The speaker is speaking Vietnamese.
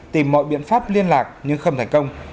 tìm mọi biện pháp liên lạc nhưng không thành công